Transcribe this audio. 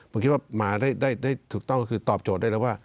ผมคิดว่ามาได้ถูกต้องก็คือตอบโจทย์ได้แล้วว่า